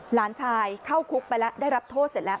หลานชายเข้าคุกไปแล้วได้รับโทษเสร็จแล้ว